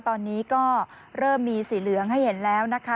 ตอนนี้ก็เริ่มมีสีเหลืองให้เห็นแล้วนะคะ